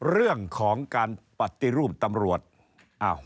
เรื่องของการปฏิรูปตำรวจ